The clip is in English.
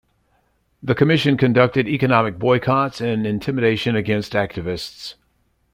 The Commission conducted economic boycotts and intimidation against activists.